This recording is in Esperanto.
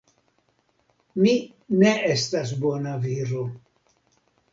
Mi ne estas bona viro.